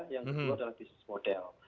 yang kedua adalah bisnis model